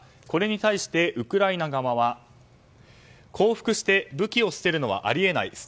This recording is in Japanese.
これに対してウクライナ側は降伏して武器を捨てるのはあり得ない。